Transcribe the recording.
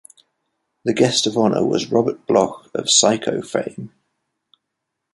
The guest of honor was Robert Bloch of "Psycho" fame.